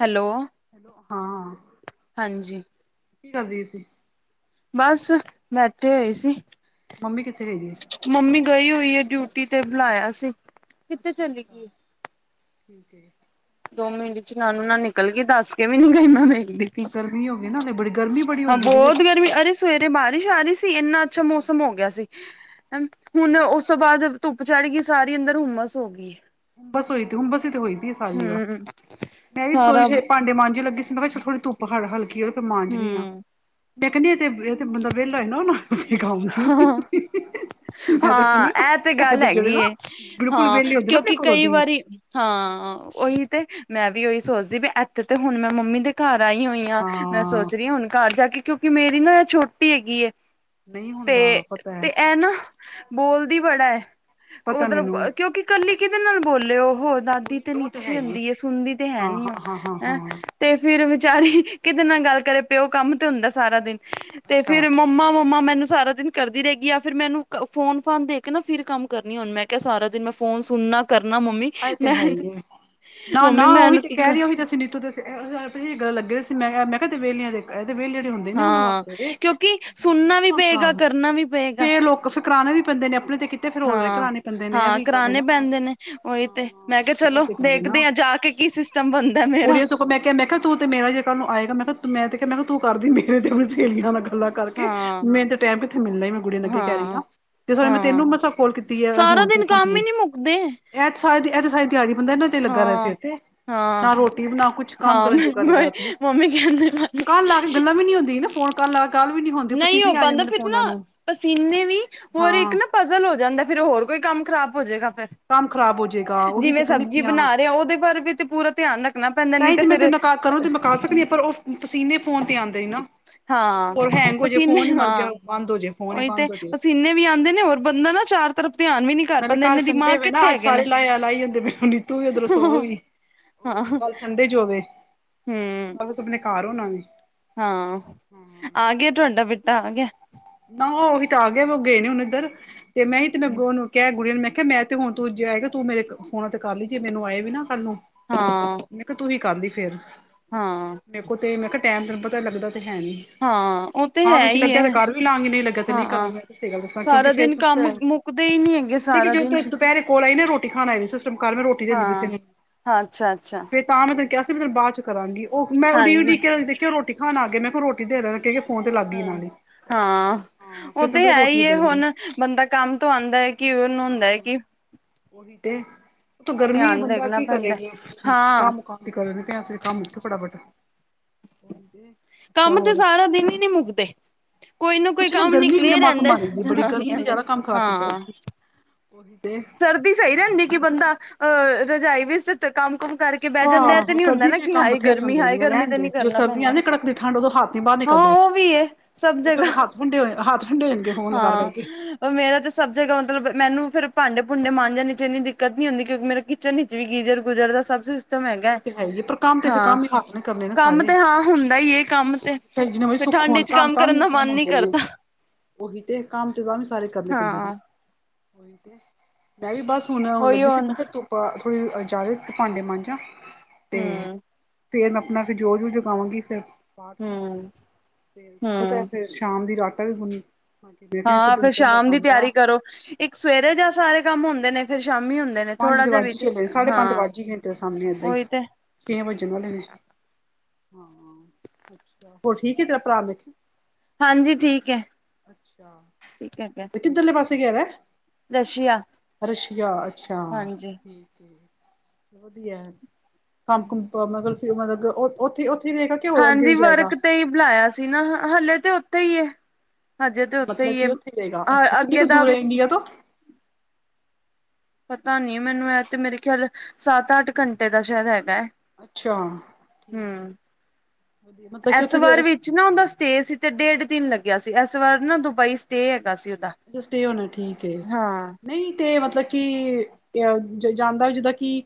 Hello ਹਾਂ ਹਾਂਜੀ ਕੀ ਕਰਦੀ ਸੀ? ਬਸ ਬੈਠੇ ਹੋਏ ਸੀ। ਮੰਮੀ ਕਿੱਥੇ ਗਈ ਦੀ ਏ? ਮੰਮੀ ਗਈ ਹੋਈ ਏ ਡਿਊਟੀ 'ਤੇ ਬੁਲਾਇਆ ਸੀ। ਕਿੱਥੇ ਚਲੀ ਅੱਛਾ-ਅੱਛਾ ਗਈ ਠੀਕ ਏ। ਦੋ ਮਿੰਟ'ਚ ਨਾਨੂੰ ਨਾਲ ਨਿਕਲ ਗਈ ਦੱਸ ਕੇ ਵੀ ਨੀ ਗਈ। [unintelligible] ਗਰਮੀ ਹੋ ਗਈ ਨਾ ਹਲੇ ਬੜੀ ਗਰਮੀ ਬੜੀ ਹੋ ਹਾਂ ਗਈ ਦੀ ਬੌਤ ਗਰਮੀ ਅਰੇ ਸਵੇਰ ਤੇ ਬਾਰਿਸ਼ ਆ ਰੀ ਸੀ ਏਨਾ ਅੱਛਾ ਮੌਸਮ ਹੋ ਗਿਆ ਸੀ ਹੁਨ ਉਸ ਤੋਂ ਬਾਅਦ ਧੁੱਪ ਚੜਗੀ ਸਾਰੀ ਅੰਦਰ ਹੁਮਸ ਹੋ ਗੀ। ਬਸ ਹੋਈ ਤੇ ਹੁੰਬਸ ਹੀ ਤੇ ਹੋਈ ਪੀਏ ਹੂੰ। ਮੈਂ ਵੀ ਰਸੋਈ 'ਚ ਭਾਂਡੇ ਮਾਂਝੁ ਲੱਗੀ ਸੀ, ਮਖਾ ਛ ਥੋੜੀ ਧੁੱਪ ਹਰ-ਹਲਕੀ ਹੋਏ ਫਿਰ ਮਾਂਜਦੀ ਆ। ਹਮ ਮੈਂ ਕਹਿੰਦੀ ਏ ਤੇ, ਏ ਤੇ ਬੰਦਾ ਵਿਹਲਾ ਏ ਨਾ ਉਹਨੂੰ ਹਾਂ [unintelligible] ਹਾਂ, ਕਹਿੰਦੀ ਆ ਐ ਤੇ ਇਹ ਗੱਲ ਜਿਹੜੇ ਐਗੀ ਨਾ ਏ, ਬਿਲਕੁਲ ਹਾਂ ਵਿਹਲੇ ਹੁੰਦੇ ਨਾ ਆਪਣੇ ਕਿਉਂਕਿ ਘਰੋਂ ਕਈ ਦੀ ਵਾਰੀ ਹਾਂ, ਉਹੀ ਤੇ ਮੈਂ ਵੀ ਉਹੀ ਸੋਚਦੀ, ਵੀ ਐਥੇ ਤੇ ਹੁਨ ਮੈਂ ਮੰਮੀ ਦੇ ਘਰ ਆਈ ਹੋਈ ਆ, ਮੈਂ ਹਾਂ ਸੋਚ ਰਹੀ ਆ ਹੁਣ ਘਰ ਜਾ ਕੇ, ਕਿਉਂਕਿ ਮੇਰੀ ਨਾ ਏ ਛੋਟੀ ਹੈਗੀਏ ਨਹੀਂ ਹੁੰਦਾ, ਪਤਾ ਐ। ਬੋਲਦੀ ਬੜਾ ਐ, ਪਤਾ ਮਤਲਬ ਮੈਨੂੰ ਕਿਊਂਕਿ ਕੱਲੀ ਕੀਦੇ ਨਾਲ ਬੋਲੇ ਓ ਹੋਰ ਦਾਦੀ ਉਹੀ ਤੇ ਉਹ ਹੈ ਨੀਚੇ ਈ ਹੁੰਦੀ ਏ, ਸੁਨਦੀ ਤੇ ਹੈ ਹਾਂ ਨੀ ਓ, ਹਾਂ ਹਾਂ ਹਾਂ ਹੈਂ ਹਾਂ। ਤੇ ਫਿਰ ਵਿਚਾਰੀ ਕੀਦੇ ਨਾ ਗੱਲ ਕਰੇ, ਪਿਓ ਕੰਮ ਤੇ ਹੁੰਦਾ ਸਾਰਾ ਦਿਨ, ਤੇ ਅੱਛਾ ਫਿਰ ਮੰਮਾ-ਮੰਮਾ, ਮੈਨੂੰ ਸਾਰਾ ਦਿਨ ਕਰਦੀ ਰ‌ਏ ਗੀ ਜਾਂ ਫਿਰ ਮੈਨੂੰ ਫੋਨ-ਫਾਨ ਦੇ ਕੇ ਨਾ, ਫੇਰ ਕੰਮ ਕਰਨੀ ਹੁਣ ਮੈਂ ਕੇ ਸਾਰਾ ਅੱਛਾ ਦਿਨ ਮੈਂ ਅੱਛਾ ਫੋਨ ਸੁਣਨਾ, ਕਰਨਾ, ਮੰਮੀ ਮੈਂ ਨਾ-ਨਾ, ਮੰਮੀ ਮੈਂ ਉਹੀ ਤੇ ਇੱਕ ਕਹਿ ਰਹੀ, ਉਹੀ ਤੁਸੀਂ ਨੀਤੂ ਦੇ ਤੁਸੀਂ ਗੱਲ ਲੱਗੇ ਸੀ, ਮੈਂ ਕਿਹਾ, ਮੈਂ ਕਿਹਾ ਤੁ ਵਿਹਲਿਆਂ ਦੇ ਐ ਤੇ ਵਿਹਲਿਆਂ ਦੇ ਹੁੰਦ ਦੇਨੇ ਉਨਾ ਹਾਂ ਵਾਸਤੇ ਵੇ, ਕਿਉਂਕਿ ਜਿਨਾ ਨੇ ਸੁਣਨਾ ਵੀ ਪਏਗਾ ਨਾ, ਕਰਨਾ ਵੀ ਪਏਗਾ। ਫੇਰ ਲੋਕ [unintelligible] ਨੇ ਆਪਣੇ ਤੇ ਤੇ ਫੇਰ ਓਲੇ ਹਾਂ ਕਰਾਣੇ। ਪੈਂਦੇ ਨੇ ਇਹ ਹਾਂ, ਵੀ ਗੱਲ ਹੈ ਕਰਾਣੇ ਨਾ। ਪੈਂਦੇ ਨੇ। ਉਹੀ ਤੇ ਹਾਂ ਮੈਂ ਕਿਹਾ ਇਹ ਚਲੋ, ਤੇ ਗੱਲ ਹੈ ਨਾ। ਦੇਖਦੇ ਆ ਜਾ ਕੇ ਕੀ ਸਿਸਟਮ ਬਣਦਾ ਮੇਰਾ। ਕੁੜੀਆਂ ਸਗੋਂ ਮੈਂ ਕਿਹਾ, ਮੈਂ ਕਿਹਾ, ਤੂੰ ਤੇ ਮੇਰਾ ਜੇ ਕੱਲ੍ਹ ਨੂੰ ਆਏਗਾ। ਮੈਂ ਕਿਹਾ, ਮੈਂ ਤੇ ਕਿਹਾ, ਮੈਂ ਕਿਹਾ, ਤੂੰ ਕਰਦੀ ਮੇਰੇ ਤੇ ਸੇਹਲੀਆਂ ਨਾ ਗੱਲਾਂ ਕਰਕੇ, ਹਾਂ ਮੈਨੂੰ ਤੇ ਟੈਂਮ ਕਿੱਥੇ ਮਿਲਣਾ ਈ, ਮੈਂ ਗੁੜੀਆ ਨੂੰ ਅੱਗੇ ਈ ਕਹਿ ਰਈ ਹਾਂ ਆ। ਜਿਸ ਸਾਬ ਨਾ, ਮੈਂ ਹਾਂ ਤੈਨੂੰ ਮਸਾਂ ਕੋਲ ਕੀਤੀ ਏ ਸਾਰਾ ਹੁਣ ਤੇ ਦਿਨ ਕੰਮ ਸਮੇਂ, ਹੀ ਨੀ ਮੁੱਕਦੇ ਐਤ ਸਾਰ ਐਤ ਸਾਰੀ ਦਿਹਾੜੀ ਬੰਦਾ ਇਹਨਾਂ ਤੇ ਲੱਗਾ ਰਹੇ ਫਿਰ ਤੇ। ਨਾ ਰੋਟੀ ਨਾ ਕੁਛ ਕੰਮ ਹਾਂ-ਹਾਂ, ਕਰਨ ਜੋਗਾ ਰਹੇਗਾ ਤੇ ਮੰਮੀ ਕਹਿੰਦੇ ਕਾਲਾ ਕੱਲ੍ਹ ਵੀ ਨੀ ਹੋ ਨਹੀਂ ਹੋ ਪਾਂਦਾ, ਫਿਰ ਨਾ ਪਸੀਨੇ ਵੀ, ਹੋਰ ਇੱਕ ਹਾਂ ਨਾ ਪਜ਼ਲ ਹੋ ਜਾਂਦਾ, ਫਿਰ ਹੋਰ ਕੋਈ ਕੰਮ ਖ਼ਰਾਬ ਹੋਜੇਗਾ ਫਿਰ। ਕੰਮ ਖ਼ਰਾਬ ਹੋ ਜਾਏਗਾ ਉਹੀ ਤੇ ਜਿਵੇਂ ਕਹਿੰਦੀ ਸਬਜ਼ੀ ਪਈ ਹਾਂ ਬਣਾ ਰ‌ਏ, ਉਹਦੇ ਬਾਰੇ ਵੀ ਤੇ ਪੂਰਾ ਧਿਆਨ ਰੱਖਣਾ ਪੈਂਦਾ, ਨੀ ਤੇ ਫਿਰ ਕਰੋ ਤੇ ਮੁਕਾ ਸਕਣੀ, ਪਰ ਉਹ ਪਸੀਨੇ ਫੋਨ ਤੇ ਆਂਦੇ ਈ ਨਾ। ਹਾਂ। ਕੋਈ ਹੈਂਗ ਹੋਜੇ, ਫੋਨ ਪਸੀਨੇ ਈ ਮਰ ਗਿਆ, ਹਾਂ ਬੰਦ ਹੋ ਜੇ ਫੋਨ ਹੀ ਉਹੀ ਤੇ ਬੰਦ ਹੋ ਜੇ ਪਸੀਨੇ ਵੀ ਆਉਂਦੇ ਨੇ, ਹੋਰ ਬੰਦਾ ਨਾ ਚਾਰ ਤਰਫ਼ ਧਿਆਨ ਵੀ ਨੀ ਕਰ ਪਾਂਦਾ, ਇੰਨੇ ਦਿਮਾ ਡੇ ਵੇ ਨਾ, ਅੱਜ ਸਾਰੇ ਲਾਇਆ ਲਾਈ ਜਾਂਦੇ ਪੇ, ਨੀਤੂ ਵੀ ਉਦਰੋ ਸੋ ਵੀ, ਉਹ ਹਾਂ ਗੱਲ ਸੰਡੇ ਜੋਵੇ ਹਮ ਕਲ੍ਹ ਸਭ ਨੇ ਘਾਰ ਹੋਣਾ ਵੇ ਹਾਂ, ਆ ਗਿਆ ਤੁਹਾਡਾ ਬੇਟਾ, ਆ ਗਿਆ? ਨਾ ਉਹੀ ਤਾਂ ਆ ਗਿਆ ਵਾ, ਉਹ ਗਏ ਨੇ ਹੁਣ ਇੱਧਰ ਤੇ ਮੈਂ ਈ ਤੇ ਨੱਗੋ ਉਹਨੂੰ ਕਿਹਾ ਗੁੜੀਆਂ ਨੂੰ, ਮੈਂ ਕਿਹਾ ਮੈਂ ਤੇ ਹੁਣ ਤੂੰ ਜ ਹੈਗਾ ਤੂੰ ਮੇਰੇ ਫੋਨਾਂ ਤੇ ਕਰ ਲੀ, ਜੇ ਮੈਨੂੰ ਆਏ ਵੀ ਨਾ ਕੱਲ੍ਹ ਨੂੰ, ਹਾਂ ਮੈਂ ਕਿਹਾ ਤੂੰ ਹੀ ਕਰ ਲੀ ਫੇਰ ਹਾਂ। ਮੇ ਕੋ ਤੇ, ਮੈਂ ਕਿਹਾ ਟਾਈਮ ਤੈਨੂੰ ਪਤਾ ਲੱਗਦਾ ਤੇ ਹੈ ਨੀ ਹਾਂ, ਉਹ ਤੇ ਹਾਂ ਹੈ ਵਿੱਚ ਈ ਐ। ਲੱਗਿਆ ਤੇ ਕਰ ਵੀ ਲਾਂਗੀ ਨਹੀਂ ਲੱਗਿਆ ਤੇ ਨਹੀਂ ਹਾਂ, ਕਰਾਂਗੀ ਮੈਂ ਸਹੀ ਗੱਲ ਦੱਸਾਂ ਕਿਉਂਕਿ ਸਾਰਾ ਫੇਰ ਦਿਨ ਕੰਮ ਮੁੱਕਦੇ ਈ ਨੀ ਹੈਗੇ ਮੰਨੇ ਕਿ ਸਾਰਾ ਦਿਨ ਜਦੋਂ ਦੁਪਹਿਰੇ ਕੋਲ ਆਈ ਨਾ, ਰੋਟੀ ਖਾਣ ਆਏ ਉਸ ਟੈਂਮ ਕਰ ਮੈਂ ਰੋਟੀ ਲਿਆਂਦੀ ਹਾਂ ਕਿਸੇ ਨੇ, ਹਾਂ ਅੱਛਾ ਅੱਛਾ ਤੇ ਤਾਂ ਮੈਂ ਤੈਨੂੰ ਕਿਹਾ ਸੀ, ਪੀ ਤੈਨੂੰ ਬਾਅਦ 'ਚ ਕਰਾਂਗੀ, ਓ ਮੈਂ ਹਾਂਜੀ ਉਡੀਕ-ਉਡੀਕ ਕੇ ਦੇਖਿਆ, ਉਹ ਰੋਟੀ ਖਾਣ ਆਗੇ, ਮੈਂ ਕਿਹਾ ਰੋਟੀ ਦੇਂਦਾ ਕਿ ਹਂ, ਹਾਂ। ਹਾਂ ਓ ਫੇਰ ਤੇ ਤੈਨੂੰ ਪਤਾ ਹੈਈ ਰੋਟੀ ਏ ਦੇਣੀ ਹੁਨ, ਬੰਦਾ ਕੰਮ ਤੋਂ ਆਂਦੈ ਕਿ ਉਨੂੰ ਹੁੰਦਾ ਐ ਕਿ ਓਹੀ ਤੇ ਉਤੋ ਗਰਮੀ ਏ ਧਿਆਨ ਬੰਦਾ ਦੇਖਣਾ ਕੀ ਕਰੇ ਪੈਂਦਾ ਹਾਂ ਕੰਮ, ਕਾਰ ਤੇ ਕਰਦੇ ਪੇਆ ਫੇਰ ਕੰਮ ਉਥੋ ਫਟਾਫਟ, ਓਹੀ ਤੇ ਅੱਛਾ ਕੰਮ ਤੇ ਹੋਰ ਸਾਰਾ ਦਿਨ ਈ ਨੀ ਮੁੱਕਦੇ। ਕੋਈ ਕੋਈ ਕੁੱਛ ਨਾ ਕੰਮ ਗਰਮੀ ਮੇਰੀ ਨਿਕਲਿਆ ਮੱਤ ਰਹਿੰਦਾ ਮਾਰੀ ਜੇ ਬੜੀ ਗਰਮੀ ਜਨਾਨੀਆਂ ਨੇ ਦੇ ਜਾਦਾ ਕੰਮ ਖ਼ਰਾਬ ਕੀਤਾ, ਹਾਂ ਓਹੀ ਤੇ ਸਰਦੀ ਸਈ ਰੇਂਦੀ ਕਿ ਬੰਦਾ ਅ ਰਜਾਈ ਵਿਚ ਕੰਮ-ਕੁੰਮ ਕਰ ਕੇ ਬੈ ਜਾਂਦੈ ਐ ਤੇ ਹਾਂ ਨੀ ਹੁੰਦਾ ਸਰਦੀ ਨਾ ਚ ਕਿ ਕੰਮ ਹਾਏ ਬਥੇਰੇ ਗਰਮੀ, ਹੁੰਦੇ ਹਾਏ ਨੇ ਗਰਮੀ ਰਹਿਣ ਤੇ ਨੀ ਦੇ ਜੋ ਕਰਨਾ ਪੈਂਦਾ, ਸਰਦੀਆਂ ਨੇ ਕੜਕਦੀ ਠੰਡ ਉਦੋਂ ਹੱਥ ਨੀ ਬਾਹਰ ਹਾਂ ਨਿਕਲਦੇ ਓ ਵੀ ਏ। ਸਬ ਉਹ ਜਗ੍ਹਾ, ਫਿਰ ਹੱਥ ਠੰਡੇ ਹੋਏ ਹੱਥ ਠੰਡੇ ਹੋ ਜਾਣਗੇ ਫੋਨ ਲਗਾ ਹਾਂ ਕਰਕੇ ਓ ਮੇਰਾ ਤੇ ਸਬ ਜਗਾ ਮਤਲਬ, ਮੈਨੂੰ ਫੇਰ ਭਾਂਡੇ ਭੂੰਡੇ ਮਾਂਜਨ ਇਚ ਏਨੀ ਦਿੱਕਤ ਨੀ ਹੁੰਦੀ ਕਿਉਂਕਿ ਮੇਰੇ ਕਿਚਨ ਵਿਚ ਵੀ ਗੀਜ਼ਰ-ਗੁਜ਼ਰ ਦਾ ਸਬ ਸਿਸ ਟਮ ਹੈਗਾ, ਉਹ ਤੇ ਹੈ ਹੀ ਪਰ ਕੰਮ ਤੇ ਫਿਰ ਹਾਂ ਕੰਮ ਹੀ ਹੱਥ ਨੇ ਕਰਨੇ ਨੇ ਕੰਮ ਸਾਰੇ ਤੇ ਹਾਂ ਹੁੰਦਾ ਈਏ, ਕੰਮ ਤੇ ਚਾਹੇ ਜਿੰਨੇ ਮਰਜ਼ੀ ਫੇਰ ਸੁੱਖ ਠੰਡ ਹੋਣ ਇਚ ਕੰਮ ਕਰਨ ਦਾ ਮੰਨ ਨੀਂ ਕਰਦਾ। ਓਹੀ ਤੇ, ਕੰਮ ਤੇ ਤਾਂਵੀ ਸਾਰੇ ਕਰਨੇ ਪੈਂਦੇ ਨੇ। ਹਾਂ ਉਹੀ ਤੇ, ਮੈਂ ਵੀ ਬਸ ਹੁਨੇ ਔਣ ਉਹੀ ਲੱਗੀ ਸੀ ਹੁਣ ਮੈਂ ਕੈਆ ਧੂੱਪ ਆ ਥੋੜੀ ਜਾਵੇ ਤੇ ਭਾਂਡੇ ਮਾਂਜਾਂ। ਤੇ ਹਮ ਫੇਰ ਮੈਂ ਅਪਨਾ ਫੇਰ ਜੋਤ ਜੂ ਜਗਾਵਾਂਗੀ ਫੇਰ ਪਾਠ, ਹਮ ਤੇ ਪਤਾ ਹੂੰ ਫੇਰ ਸ਼ਾਮ ਦੀ ਲੀ ਆਟਾ ਵੀ ਗੂੰਨ ਹਾਂ ਫੇਰ ਸ਼ਾਮ ਦੀ ਤੇਆਰੀ ਕਰੋ, ਇਕ ਸਵੇਰੇ ਜਾ ਸਾਰੇ ਕੰਮ ਹੁੰਦੇ ਨੇ, ਫੇਰ ਸ਼ਾਮੀ ਹੁੰਦੇ ਨੇ। ਪੰਜ ਥੋੜਾ ਤੇ ਜਿਹਾ ਵੱਜ ਈ ਵਿੱਚ ਚਲੇ, ਸਾਡੇ ਪੰਜ ਤੇ ਹਾਂ ਵੱਜ ਈ ਗਏਨ ਤੇਰੇ ਸਾਮਨੇ ਏਦਾਂ ਈ ਉਹੀ ਤੇ ਛੇ ਵੱਜਣ ਵਾਲੇ ਨੇ, ਹਾਂ ਅਛਾੱ, ਹੋਰ ਠੀਕੇ ਤੇਰਾ ਭਰਾ [inaudible] ਹਾਂਜੀ, ਠੀਕ ਏ। ਅੱਛਾ, ਕਿੱਧਰਲੇ ਪਾਸੇ ਗੇਆ ਦੈ? ਰਸ਼ੀਆ ਰਸ਼ੀਆ, ਅੱਛਾ। ਹਾਂਜੀ ਵਧੀਆ ਕੰਮ-ਕੁੰਮ [unintelligible] ਓਥੇ, ਓਥੇ ਈ ਰਏਗਾ ਕਿ ਹੋਰ ਅੱਗੇ ਹਾਂਜੀ ਵੀ ਜਾਏਗਾ? ਵਰਕ ਤੇ ਹੀ ਬੁਲਾਇਆ ਸੀ ਨਾ, ਹੱਲੇੇ ਤੇ ਓਥੇ ਈ ਏ, ਹਜੇ ਤੇ ਓਥੇ ਮਤਲਬ ਈ ਏ, ਕਿ ਉੱਥੇ ਰਹੇਗਾ ਆ ਅੱਛਾ ਕਿੰਨੀ ਅੱਗੇ ਕੁ ਦਾ ਦੂਰ ਹੈ ਇੰਡੀਆ ਤੋਂ? ਪਤਾ ਨੀ ਮੈਨੂੰ ਐ ਤੇ ਮੇਰੇ ਖੇਆਲ ਸਾਤ, ਆਠ ਘੰਟੇ ਦਾ ਸੈ਼ਦ ਹੈਗੈ। ਅੱਛਾ, ਠੀਕ ਏ, ਵਦੀਆ ਮਤਲਬ ਕਿ ਓਥੇ ਦੇ ਚ ਨਾ ਓਦਾ ਸਟੇ ਸੀ ਤੇ ਡੇਢ ਦਿਨ ਲੱਗੇਆ ਸੀ, ਏਸ ਵਾਰ ਨਾ ਦੁਬਈ ਸਟੇ ਹੈਗਾ ਸੀ ਉਦਾ। ਸਟੇ ਹੋਨੈ, ਠੀਕੇ। ਨਈ ਤੇ ਮਤਲਬ ਕਿ, ਅ ਜਾਂਦਾ ਜਿੱਦਾਂ ਕਿ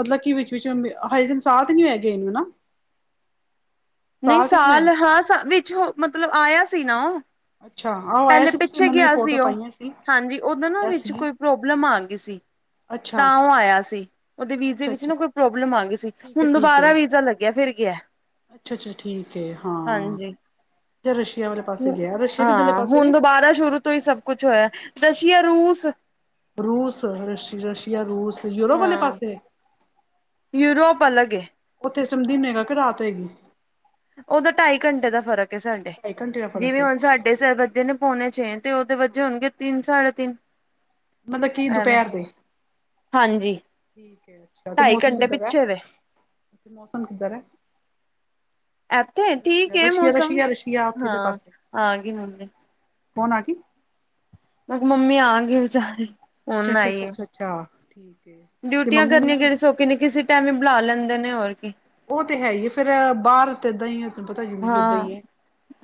ਮਤਲਬ ਕਿ ਵਿਚ, ਵਿਚ ਹਜੇ ਦਿਨ ਸਾ ਤੇ ਨੀ ਹੋਏਆ ਗਏ ਨੂੰ ਨਾ? ਨਈ ਨੀ ਸਾਲ ਹੋਇਆ ਹਾਂ ਵਿਚ ਮਤਲਬ ਆਏਆ ਸੀ ਨਾ ਓ। ਅੱਛਾ ਆਹੋ ਆਇਆ ਪ੍ਹੈਲੇ ਸੀ ਪਿਛਲੇ ਪਿੱਛੇ ਮੰਮੀ ਨੇ ਗੇਆ ਫੋਟੋ ਸੀ ਓ, ਪਾਈਆਂ ਹਾਂਜੀ ਓਦੋਂ ਨਾ ਆਇਆ ਵਿਚ ਸੀ ਕੋਈ ਪ੍ਰੋਬਲਮ ਆਗੀ ਸੀ। ਅੱਛਾ ਤਾਂ ਓ ਆਏਆ ਸੀ, ਓਦੇ ਵੀਜ਼ੇ ਅੱਛਾ ਵਿਚ ਅੱਛਾ ਨਾ ਕੋਈ ਪ੍ਰੋਬਲਮ ਆਗੀ ਸੀ। ਠੀਕ ਏ, ਹੁਣ ਠੀਕ ਏ, ਦੁਬਾਰਾ ਵੀਜ਼ਾ ਲੱਗਿਆ ਫਿਰ ਗਿਆ ਅੱਛਾ, ਅੱਛਾ ਠੀਕ ਏ, ਹਾਂ ਹਾਂਜੀ ਤੇ ਰਸ਼ੀਆ ਵਾਲੇ ਪਾਸੇ ਗੇਆ, ਰਸ਼ੀਆ ਕਿੱਧਰਲੇ ਪਾਸੇ ਵੇ? ਤੋ ਈ ਸਬ ਕੁੱਛ ਹੋਏਆ ਰਸ਼ੀਆ, ਰੂਸ। ਰੂਸ ਰਸ਼, ਰਸ਼ੀਆ, ਰੂਸ ਯੂਰੋਪ ਵਾਲੇ ਹਾਂ ਪਾਸੇ? ਯੂਰੋਪ ਅਲੱਗ ਏ। ਓਥੇ ਏਸ ਟੈਮ ਦਿਨ ਹੋਏਗਾ, ਕੇ ਰਾਤ ਹੋਏਗੀ? ਓਦਾ ਟਾਈ ਘੰਟੇ ਦਾ ਫ਼ਰਕ ਏ ਸਾਡੇ, ਢਾਈ ਘੰਟੇ ਦਾ ਫ਼ਰਕ ਜਿਵੇਂ ਏ ਹੁਣ ਸਾਡੇ ਵਜੇ ਨੇ ਪੋਣੇ ਛੇਂ, ਤੇ ਓਦੇ ਵੱਜੇ ਹੋਨਗੇ ਤਿੰਨ, ਸਾਡੇ ਤਿੰਨ। ਮਤਲਵ ਕੀ ਐਵੇਂ ਦੁਪੈਹਰ ਦੇ, ਹਾਂਜੀ ਠੀਕ ਏ ਅੱਛਾ, ਤੇ ਢਾਈ ਮੌਸਮ ਘੰਟੇ ਕਿੱਦਾਂ ਦੈ? ਪਿੱਛੇ ਵੇ ਓਥੇ ਮੌਸਮ ਕਿੱਦਾ ਦੈ? ਇੱਥੇ ਠੀਕ ਰਸੀ਼ਆ, ਹੈ ਰਸ਼ੀਆ, ਮੌਸਮ ਰਸ਼ੀਆ, ਰਸ਼ੀਆ ਓਥੇ ਅਲੇ ਹਾਂ ਪਾਸੇ, ਆ ਗਈ ਮੰਮੀ ਕੋਨ ਆਗੀ? ਮੈਂ ਕੇ ਮੰਮੀ ਆ ਗੀ ਵਚਾਰੀ। ਅੱਛਾ, ਅੱਛਾ, ਅੱਛਾ, ਅੱਛਾ, ਅੱਛਾ ਠੀਕ। ਹੈ ਤੇ ਡਿਊਟੀਆਂ ਮੰਮੀ ਕਰਨੀਆਂ ਨੇ ਕਿਹੜੀਆਂ ਸੌਖੇ ਨੇ ਕਿਸੇ ਟਾਈਮ ਵੀ ਬੁਲਾ ਲੈਂਦੇ ਨੇ, ਹੋਰ ਕੀ। ਉਹ ਤੇ ਹੈ ਹੀ ਹੈ ਫੇਰ ਬਾਹਰ ਤੇ ਏਦਾਂ ਹੀ, ਤੈਨੂੰ ਪਤਾ ਜ਼ਿੰਦਗੀ ਏਦਾਂ ਹਾਂ ਹੀ ਹੈ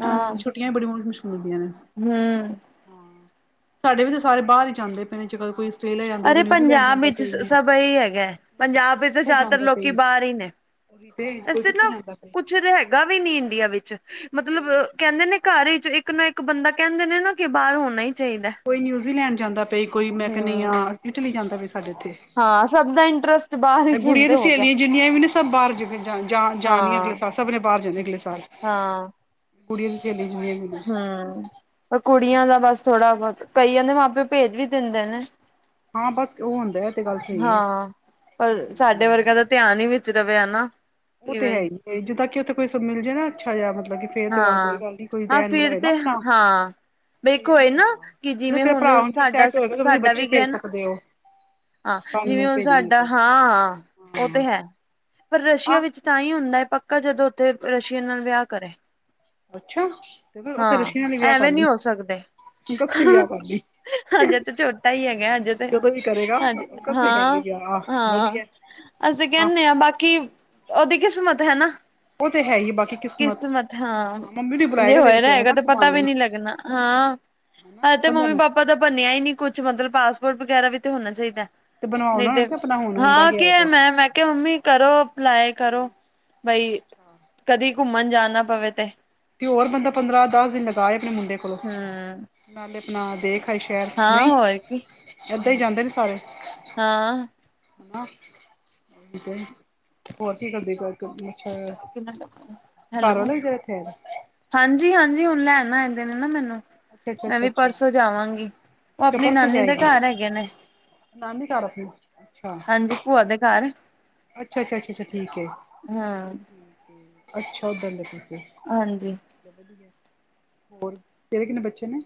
ਹਾਂ। ਛੁੱਟੀਆਂ ਵੀ ਬੜੀ ਮੁਸ਼ਕਿਲ ਹੁੰਦੀਆਂ ਨੇ। ਹੂੰ। ਸਾਡੇ ਵੀ ਤਾਂ ਸਾਰੇ ਬਾਹਰ ਹੀ ਜਾਂਦੇ ਪਏ ਨੇ, ਜਦੋਂ ਵੀ ਕੋਈ ਆਸਟ੍ਰੇਲੀਆ ਜਾਂਦਾ ਅਰੇ ਕੋਈ ਨਿਊਜ਼ੀਲੈਂਡ ਪੰਜਾਬ ਜਾਂਦਾ ਵਿੱਚ ਪਈ ਹੈਂ, ਸਭ ਇਹੀ ਹੈਗਾ ਹੈ। ਪੰਜਾਬ ਕੋਈ ਵਿੱਚ ਤਾਂ ਕਿੱਥੇ ਜ਼ਿਆਦਾਤਰ ਜਾਂਦਾ ਲੋਕੀ ਪਈ ਬਾਹਰ ਹੀ ਨੇ। ਉਹੀ। ਤੇ ਕੋਈ ਵੈਸੇ ਕਿੱਥੇ ਨਾ, ਜਾਂਦਾ ਕੋਈ ਕੁਛ ਹੈਗਾ ਵੀ ਨਹੀਂ ਇੰਡੀਆ ਵਿੱਚ ਮਤਲਬ ਤੇ ਕਹਿੰਦੇ ਨੇ ਘਰ ਵਿੱਚ ਇੱਕ ਨਾ ਇੱਕ ਬੰਦਾ ਕਹਿੰਦੇ ਨੇ ਨਾ, ਕਿ ਬਾਹਰ ਹੋਣਾ ਹੀ ਚਾਹੀਦਾ ਕੋਈ ਨਿਊਜ਼ੀਲੈਂਡ ਜਾਂਦਾ ਪਈਆਂ ਜੀ, ਕੋਈ ਮੈਂ ਕੈਨੀ ਆ ਹਮ ਇਟਲੀ ਜਾਂਦਾ ਪਈਆਂ, ਸਾਡੇ ਇੱਥੇ। ਹਾਂ ਸਭ ਦਾ ਇੰਟਰਸਟ ਬਾਹਰ ਹੀ ਇਹ ਚ ਹੁਣ ਗੁੜੀਆਂ ਤੇ ਦੀ ਹੋ ਗਿਆ ਸਹੇਲੀਆਂ ਜਿੰਨੀਆਂ ਵੀ ਨੇ ਸਭ ਬਾਹਰ ਜਾ ਜਾ ਜਾ ਨੀਆਂ ਹਾਂ ਸਭ ਨੇ ਬਾਹਰ ਜਾਣਾ ਅਗਲੇ ਸਾਲ, ਗੁੜੀਆਂ ਦੀ ਸਹੇਲੀਆਂ ਜਿੰਨੀ ਵੀ ਨੇ ਹੂੰ, ਪਰ ਕੁੜੀਆਂ ਦਾ ਬਸ ਥੋੜਾ ਬਹੁਤ, ਕਈਆਂ ਦੇ ਮਾਂ ਪਿਓ ਭੇਜ ਵੀ ਦਿੰਦੇ ਆਂ ਨਾ। ਹਾਂ ਬਸ ਉਹ ਹੁੰਦਾ ਹੈ, ਇਹ ਤੇ ਗੱਲ ਸਹੀ ਹੈ। ਹਾਂ ਪਰ ਸਾਡੇ ਹਮ ਵਰਗਾਂ ਦਾ ਧਿਆਨ ਹੀ ਵਿਚ ਰਵੇ, ਹਨਾ। ਉਹ ਕਿ ਤੇ ਹੈ ਬਈ ਹੀ ਹੈ, ਜਿੱਦਾਂ ਕਿ ਉੱਥੇ ਕੋਈ ਕੁਛ ਮਿਲ ਜਾਏ ਨਾ ਅੱਛਾ ਜਿਹਾ ਮਤਲਬ ਕਿ ਫੇਰ ਤੇ ਗੱਲ ਕੋਈ ਹਾਂ, ਗੱਲ ਨੀ ਕੋਈ ਹਾਂ ਰਹਿਣ ਵਾਲਾ ਫਿਰ ਹੋਏ ਨਾ ਤੇ ਆਪਣਾ ਹਾਂ। ਬਈ ਇਕ ਫੇਰ ਨੀ ਹੋਏ ਨਾ, ਹੁੰਦਾ ਜੇ ਜਿਵੇਂ ਤੇਰਾ ਭਰਾ ਹੁਣ ਜੇ ਸਾਡਾ ਸੈਟ ਹੋਏਗਾ ਤੁਸੀਂ ਸਾਡਾ ਵੀ ਬੱਚੇ ਗਿਆ ਭੇਜ ਨਾ ਸਕਦੇ ਹੋ ਹਾਂ ਕੱਲ ਜਿਵੇਂ ਨੂੰ ਹੁਣ ਭੇਜਣਾ ਸਾਡਾ, ਤੇ ਹਾਂ ਉਹ ਤੇ ਹੈ। ਹਾਂ ਪਰ ਰਸ਼ੀਆ ਆਹ ਵਿੱਚ ਤਾਂ ਹੀ ਹੁੰਦਾ ਹੈ ਪੱਕਾ ਜਦੋਂ ਉੱਥੇ ਰਸ਼ੀਅਨ ਨਾਲ ਵਿਆਹ ਕਰੇ। ਅੱਛਾ, ਤੇ ਫੇਰ ਉੱਥੇ ਹਾਂ ਰਸ਼ੀਆ ਨਾਲ ਵੀ ਵਿਆਹ ਕਰ ਐਵੇਂ ਨਹੀਂ ਲਈ, ਹੋ ਸਕਦੇ ਉੱਥੇ ਵਿਆਹ ਕਰ ਲਈ। ਹਜੇ ਤੇ ਛੋਟਾ ਹੀ ਹੈਗਾ ਹਜੇ ਤੇ, ਜਦੋਂ ਵੀ ਕਰੇਗਾ ਹਾਂਜੀ ਕੱਥੇ ਕਰ ਲਈ ਹਾਂ ਵਿਆਹ ਆਹ ਹਾਂ। ਵਧੀਆ ਅਸੀਂ ਆਹ ਕਹਿੰਦੇ ਹਾਂ ਬਾਕੀ, ਉਹਦੀ ਕਿਸਮਤ ਹੈ ਨਾ। ਉਹ ਤੇ ਹੈ ਹੀ ਬਾਕੀ ਕਿਸਮਤ, ਹਾਂ ਮੰਮੀ ਨੂੰ ਜੇ ਬੁਲਾਏਗਾ ਤੇਰੀ ਹੋਇਆ ਨਾ ਫਿਰ ਹੈਗਾ ਹਨਾ ਤਾਂ ਪਤਾ ਘੁਮਾਉਣ ਵੀ ਲਈ। ਨਹੀਂ ਲੱਗਣਾ ਹਾਂ ਹਨਾ। ਹਜੇ ਤੇ ਕੰਧਾ ਮੰਮੀ ਨੂੰ ਪਾਪਾ ਦਾ ਬਣਿਆ ਹੀ ਨੀ ਕੁੱਛ ਮਤਲਬ, ਪਾਸਪੋਰਟ ਵਗੈਰਾ ਵੀ ਤੇ ਹੋਣਾ ਚਾਹੀਦਾ। ਤੇ ਬਣਵਾਓ ਨਹੀਂ ਨਾ ਤੇ, ਉਹਨਾਂ ਕਿ ਆਪਣਾ ਹੁਣ ਮੁੰਡਾ ਹਾਂ ਗਿਆ ਉਹ ਕਿਹਾ ਤਾਂ ਮੈਂ, ਮੈਂ ਕਿਹਾ ਮੰਮੀ ਕਰੋ ਅਪਲਾਏ ਕਰੋ ਬਈ ਹਾਂ। ਕਦੀ ਘੁੰਮਣ ਜਾਣਾ ਪਵੇ ਤੇ। ਤੇ ਹੋਰ ਬੰਦਾ ਪੰਦਰਾਂ ਦਸ ਦਿਨ ਲਗਾਏ ਆਪਣੇ ਮੁੰਡੇ ਕੋਲ ਹੂੰ। ਨਾਲੇ ਆਪਣਾ ਦੇਖ ਆਏ ਸ਼ਹਿਰ, ਨਹੀਂ ਹੋਰ ਕੀ ਏਦਾਂ ਹੀ ਜਾਂਦੇ ਨੇ ਸਾਰੇ। ਹਾਂ। ਹਨਾ, ਹੋਰ ਕੀ ਕਰਦੇ ਪਏ। ਕੁਛ ਅੱਛਾ, ਘਰ ਵਾਲੇ ਵੀ ਤੇਰਾ ੳਥੇ ਐ? ਹਾਂਜੀ ਹਾਂਜੀ ਹੁਣ ਲੈਣ ਆਏਦੇ ਨੇ ਨਾ ਮੈਨੂੰ, ਅੱਛਾ ਅੱਛਾ ਮੈਂ ਅੱਛਾ ਵੀ ਅੱਛਾ ਪਰਸੋਂ ਜਾਵਾਂਗੀ। ਉਹ ਅੱਛਾ ਆਪਣੀ ਪਰਸੋਂ ਨਾਨੀ ਦੇ ਜਾਏਗੀ ਘਰ ਹੈਗੇ ਨੇ। ਨਾਨੀ ਘਰ ਆਪਣੀ 'ਚ, ਅੱਛਾ। ਹਾਂਜੀ ਭੂਆ ਦੇ ਘਰ। ਅੱਛਾ ਅੱਛਾ ਅੱਛਾ ਅੱਛਾ ਠੀਕ ਹੈ ਹਾਂ ਅੱਛਾ ਉੱਧਰ। ਹਾਂਜੀ। ਵਧੀਆ ਹੋਰ ਤੇਰੇ ਕਿੰਨੇ ਬੱਚੇ ਨੇ।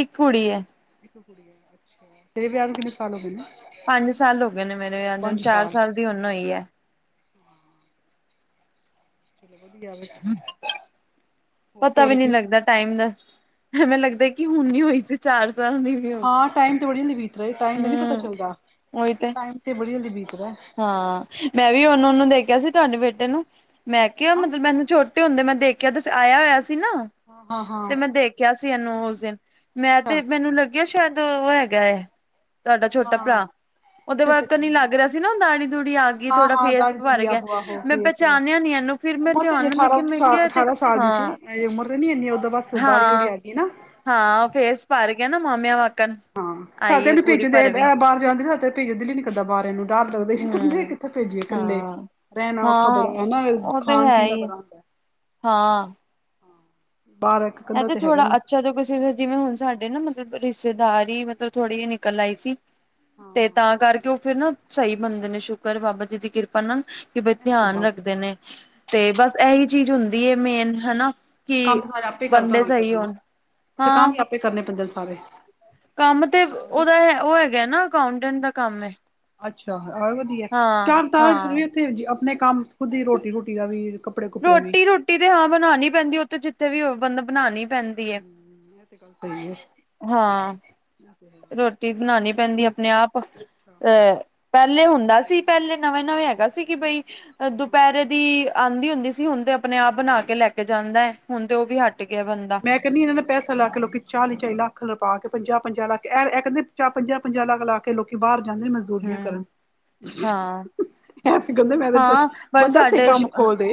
ਇੱਕ ਕੁੜੀ ਹੈ। ਇੱਕ ਕੁੜੀ ਹੈ ਅੱਛਾ ਤੇਰੇ ਵਿਆਹ ਨੂੰ ਕਿੰਨੇ ਸਾਲ ਹੋ ਗਏ ਨੇ। ਪੰਜ ਸਾਲ ਹੋ ਗਏ ਨੇ ਮੇਰੇ ਵਿਆਹ ਪੰਜ ਚਾਰ ਸਾਲ ਦੀ ਚਲੋ ਹੁਣ ਹੋਈ ਹੈ। ਚਲੋ ਵਧੀਆ ਇਹ ਵੀ। ਪਤਾ ਵੀ ਨਹੀਂ ਲੱਗਦਾ ਟਾਈਮ ਦਾ ਐਵੇਂ ਲੱਗਦਾ ਕਿ ਹੁਣੀ ਹੋਈ ਸੀ ਚਾਰ ਸਾਲ ਦੀ। ਵੀ ਹੋ ਹਾਂ ਗਈ ਟਾਈਮ ਤੇ ਬੜੀ ਜਲਦੀ ਬੀਤ ਦਾ ਜੀ ਟਾਈਮ ਦਾ ਨੀ ਪਤਾ ਹੂੰ ਚੱਲਦਾ ਟਾਈਮ ਤੇ ਬੜੀ ਜਲਦੀ ਬੀਤ ਦਾ। ਹਾਂ ਮੈਂ ਵੀ ਉਹਨੂੰ ਉਹਨੂੰ ਦੇਖਿਆ ਸੀ ਤੁਹਾਡੇ ਬੇਟੇ ਨੂੰ ਮੈਂ ਕਿਹਾ ਹਾਂ ਮਤਲਬ ਮੈਨੂੰ ਛੋ। ਛੋਟੇ ਹੁੰਦੇ ਮੈਂ ਦੇਖਿਆ ਸ ਆਇਆ ਹੋਇਆ ਸੀ ਨਾ ਹਾਂ ਤੇ ਹਾਂ ਮੈਂ ਦੇਖਿਆ ਸੀ ਇਹਨੂੰ ਉਸ ਦਿਨ। ਮੈਂ ਅੱਛਾ ਤੇ ਮੈਨੂੰ ਲੱਗਿਆ ਸ਼ਾਇਦ ਉਹ ਹੈਗਾ ਹੈ। ਤੁਹਾਡਾ ਛੋਟਾ ਹਾਂ ਭਰਾ ਉਹਦੇ ਅੱਛਾ ਅੱਛਾ ਵਾਕਣ ਅੱਛਾ ਹੀ ਲੱਗ ਰਿਹਾ ਸੀ। ਓਹਦੀ ਨਾ ਦਾੜੀ ਦੂੜੀ ਆ ਗਈ ਹਾਂ ਥੋੜ੍ਹਾ ਹਾਂ ਫੇਸ ਦਾੜੀ ਭਰ ਦੂੜੀ ਗਿਆ ਆਹੋ ਆਹੋ ਮੈਂ ਫੇਸ ਪਹਿਚਾਣਿਆ ਨੀ ਇਹਨੂੰ ਫਿਰ ਮੈਂ ਉਮਰ ਤੇ ਧਿਆਨ ਨਾ ਅਠਾਰਾਂ ਦੇਖਿਆ ਉੱਨੀ ਮੈਂ ਸਾਲ ਕਿਹਾ। ਤੇ ਅਠਾਰਾਂ ਸਾਲ ਦੀ ਸੂ ਹਾਂ ਉਮਰ ਤੇ ਨੀ ਇੰਨੀ ਉ ਓਦਾਂ ਬਸ ਦਾੜੀ ਦੂੜੀ ਹਾਂ ਆ ਗਈ ਨਾ। ਹਾਂ ਫੇਸ ਭਰ ਗਿਆ ਨਾ ਮਾਮਿਆਂ ਵਾਕਣ। ਹਾਂ ਸਤ ਆਈ ਹੈ ਨੂੰ ਪੂਰੀ ਭੇਜਦੇ ਭਰਵੀਂ ਇਹ ਬਾਹਰ ਜਾ ਕੇ ਨਾ ਭੇਜਣ ਦੀਲ ਹੀ ਨਿ ਕਰਦਾ ਬਾਰ ਇਹਨੂੰ। ਡਰ ਲੱਗਦਾ ਈ ਇਕੱਲੇ ਹਮ ਕਿੱਥੇ ਭੇਜੀਏ ਇਕੱਲੇ। ਹਾਂ ਰਹਿਣਾ ਔਖਾ ਬੜਾ ਹਾਂ ਹੈ ਨਾ ਉਹ ਤੇ ਖਾਣ ਹੈ ਪੀਣ ਦਾ ਹੀ ਬੜਾ ਹੁੰਦਾ। ਹਾਂ। [inaudible] ਪਾਰਕ। ਹੈਂ ਤੇ ਥੋੜਾ ਅੱਛਾ ਜਿਹਾ ਕਿਸੇ ਜਿਵੇਂ ਹੁਣ ਸਾਡੇ ਨਾ ਮਤਲਬ ਰਿਸ਼ਤੇਦਾਰੀ ਮਤਲਬ। ਥੋੜ੍ਹੀ ਜਿਹੀ ਨਿਕਲ ਆਈ ਸੀ ਤੇ ਹਾਂ ਤਾਂ ਕਰਕੇ ਉਹ ਫਿਰ ਨਾ। ਸਹੀ ਬੰਦੇ ਨੇ ਸ਼ੁਕਰ ਏ ਬਾਬਾ ਜੀ ਦੀ ਕਿਰਪਾ ਨਾਲ ਕਿ ਬਈ ਇਹ ਤੇ ਧਿਆਨ ਬਾਤ ਰੱਖਦੇ ਸਹੀ ਹੈ ਨੇ। ਤੇ ਬਸ ਇਹੀ ਚੀਜ਼ ਹੁੰਦੀ ਹੈ ਮੇਨ ਹਨਾ। ਕਿ ਕੰਮ ਸਾਰੇ ਆਪੇ ਕਰਦਾ ਬੰਦੇ ਹੋਣਾ ਸਹੀ ਹੋਣ ਫਿਰ ਤੇ ਕੰਮ ਹਾਂ ਵੀ ਆਪੇ ਕਰਨੇ ਪੈਂਦੇ ਨੇ ਸਾਰੇ। ਕੰਮ ਤੇ ਹੋਰ ਉਹਦਾ ਹੈ ਉਹ ਹੈਗਾ ਨਾ ਅਕਾਉਂਟੈਂਟ ਦਾ ਕੰਮ ਹੈ। ਅੱਛਾ ਵਦੀਆ ਏ ਹਾਂ ਚਲ ਟਾ ਹਾਂ ਸ਼ਰੀਰ ਤੇ ਆਪਣੇ ਕੰਮ ਓਦੇ ਰੋਟੀ ਰੂਟੀ ਦਾ ਵਿ ਰੋਟੀ ਰੋਟੀ ਤੇ ਹਾਂ ਬਣਾਉਣੀ ਪੈਂਦੀ ਉੱਥੇ ਜਿੱਥੇ ਵੀ ਉਹ ਬੰਦਾ ਬਨਾਣੀ। ਹਮ ਇਹ ਤੇ ਗੱਲ ਸਹੀ ਹੈ ਹਾਂ [inaudible] ਰੋਟੀ ਬਣਾਉਣੀ ਉਹ ਪੈਂਦੀ ਠੀਕ ਆਪਣੇ ਆਪ ਅਹ ਅੱਛਾ ਪਹਿਲੇ ਇਹ ਤੇ ਹੁੰਦਾ ਹੈ ਹੀ ਸੀ ਪਹਿਲੇ। ਨਵੇਂ ਨਵੇਂ ਹੈਗਾ ਸੀ ਕਿ ਬਈ ਹਾਂ ਦੁਪਹਿਰੇ ਦੀ ਆਉਂਦੀ ਹੁੰਦੀ। ਹੁਨਦੀ ਸੀ ਹੁਣ ਤੇ ਆਪਣੇ ਆਪ ਬਣਾ ਕੇ ਲੈ ਕੇ ਜਾਂਦਾ ਹੁਣ ਤੇ ਉਹ ਵੀ ਹੱਟ ਗਿਆ ਬੰਦਾ। ਇਹ ਕਹਿੰਦੀ ਇਹਨਾਂ ਨੇ ਪੈਸਾ ਲਾ ਕੇ ਲੋਕੀ ਚਾਲੀ ਚਾਲੀ ਲੱਖ ਰੁਪ ਕੇ ਪੰਜਾ ਪੰਜਾ ਲੱਖ ਐ ਇਹ ਕਹਿੰਦੇ। ਚਾਹ ਪੰਜਾਂ ਪੰਜਾਂ ਲੱਖ ਲਾ ਕੇ ਲੋਕੀ ਬਾਹਰ ਜਾਂਦੇ ਨੇ ਮਜ਼ਦੂਰੀਆਂ ਕਰਨ। ਇਹ ਤੇ ਕਹਿੰਦੇ ਮੈਂ ਤੇ ਹਾ ਪਰ ਬੰਦਾ ਇੱਥੇ ਸਾਡੇ ਕੰਮ ਸ਼ਿਗਾ ਖੋਲ ਦੇ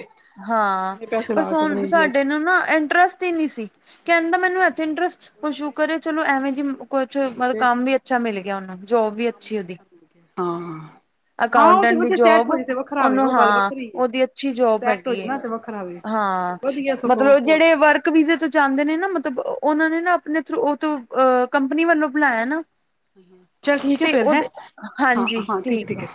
ਹਾਂ ਇੰਨੇ ਪੈਸੇ ਪਰ ਲਾ ਕੇ ਸੁਨ ਆਪਣੇ ਇੰਡੀਆ ਸਾਡੇ ਚ ਨਾ ਨਾ ਏੰਟਰੇਸਟ। ਨੀ ਸੀ ਕਹਿੰਦਾ ਮੈਨੂੰ ਇੱਥੇ ਇੰਟਰਸਟ ਹੁ ਉਹੀ ਤੇ ਸ਼ੁਕਰ ਚਲੋ ਐਵੇਂ ਜੀ ਕੁੱਛ ਉਹੀ ਮਤਲਬ ਤੇ ਕੰਮ ਵੀ। ਅੱਛਾ ਮਿਲ ਗਿਆ ਉਹਨਾਂ ਨੂੰ ਜੋਬ ਵੀ ਅੱਛੀ ਕੰਮ ਉਹਦੀ। ਅੱਛਾ ਹਾਂ। ਹਾਂ ਉਹ ਤੇ ਅਕਾਊਂਟੈਂਟ ਉਹ ਦੀ ਤੇ ਸੈੱਟ ਹੋ ਜੋਬ ਜਾਏ ਤੇ ਵੱਖਰਾ ਹੋਵੇ ਉਹਨੂੰ ਉਹ ਗੱਲ ਹਾਂ ਵੱਖਰੀ ਉਹਦੀ ਅੱਛੀ ਜੋਬ ਸੈੱਟ ਹੋ ਜੇ ਹੈਗੀ ਹੈ ਨਾ ਤੇ ਵੱਖਰਾ ਵੇ। ਵਧੀਆ ਸਗੋਂ ਹੋਰ। ਕ ਵੀਜ਼ੇ ਤੋਂ ਜਾਂਦੇ ਨੇ ਨਾ ਮਤਲਬ ਓਨਾਂ ਨੇ ਨਾ ਆਪਨੇ ਥਰੂ ਓ ਤੋਂ ਕੰਪਨੀ ਵੱਲੋਂ ਬਨਾਏਆ ਏ ਨਾ। ਚੱਲ ਠੀਕ ਐ ਤੇ ਫੇਰ ਹੈ, ਉਹਦੇ ਹਾਂਜੀ ਹਾਂ-ਹਾਂ ਠੀਕ ਹੈ ਐ-ਠੀਕ ਐ।